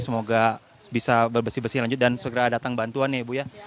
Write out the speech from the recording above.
semoga bisa bersih bersih lanjut dan segera datang bantuan ya ibu ya